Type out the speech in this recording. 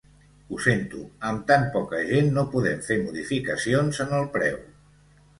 Ho sento, amb tan poca gent no podem fer modificacions en el preu.